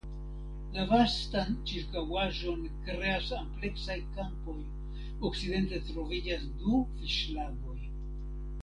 La vastan ĉirkaŭaĵon kreas ampleksaj kampoj; okcidente troviĝas du fiŝlagoj.